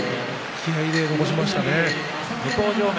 気合いで残しましたね。